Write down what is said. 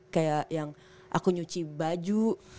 kayak yang aku nyuci baju